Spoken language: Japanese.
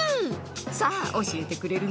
さあ教えてくれるのは。